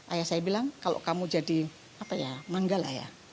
ayah saya bilang kalau kamu jadi manggal ayah